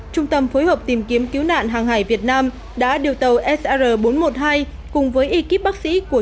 trung tâm phối hợp tìm kiếm cứu nạn hàng hải việt nam đã điều tàu sr bốn trăm một mươi hai cùng với ekip bác sĩ của